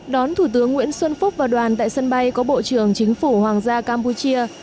đón thủ tướng nguyễn xuân phúc và đoàn tại sân bay có bộ trưởng chính phủ hoàng gia campuchia